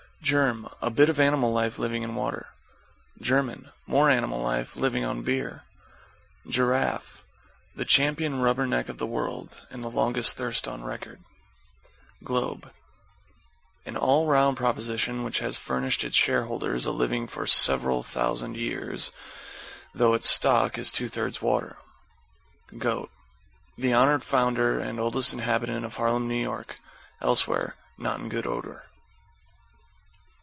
=GERM= A bit of animal life living in water. =GERMAN= More animal life, living on beer. =GIRAFFE= The champion rubber neck of the world, and the longest thirst on record. =GLOBE= An all round proposition which has furnished its shareholders a living for several thousand years, though its stock is two thirds water. =GOAT= The honored founder and oldest inhabitant of Harlem, N.Y. Elsewhere, not in good odor.